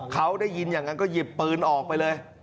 เขาได้ยินอย่างนั้นก็หยิบปืนออกไปเลย